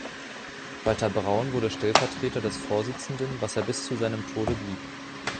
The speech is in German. Walter Braun wurde Stellvertreter des Vorsitzenden, was er bis zu seinem Tode blieb.